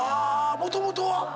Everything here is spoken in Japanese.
もともとは？